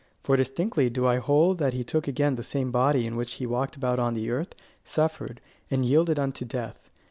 For distinctly do I hold that he took again the same body in which he had walked about on the earth, suffered, and yielded unto death.